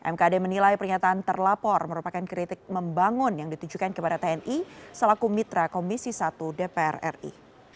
mkd menilai pernyataan terlapor merupakan kritik membangun yang ditujukan kepada tni selaku mitra komisi satu dpr ri